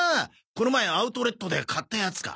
この前アウトレットで買ったやつか。